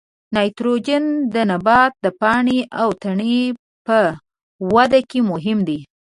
نایتروجن د نبات د پاڼې او تنې په وده کې مهم دی.